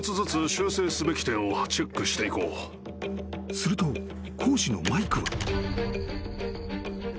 ［すると講師のマイクは］